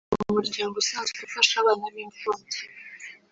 ni umuryango usanzwe ufasha abana b’imfubyi